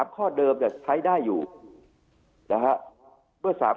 ๓ข้อเดิมเนี่ยใช้ได้อยู่นะครับเมื่อใช้ได้อยู่